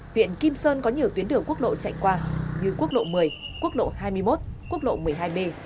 huyện kim sơn có nhiều tuyến đường quốc lộ chạy qua như quốc lộ một mươi quốc lộ hai mươi một quốc lộ một mươi hai b